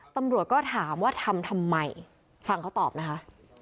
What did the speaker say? ตำรวจก็ถามว่าทำทำไมฟังเขาตอบนะคะ